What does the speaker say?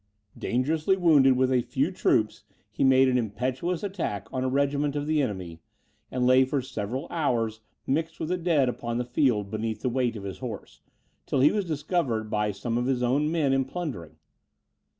Dangerously wounded, with a few troops, he made an impetuous attack on a regiment of the enemy, and lay for several hours mixed with the dead upon the field, beneath the weight of his horse, till he was discovered by some of his own men in plundering.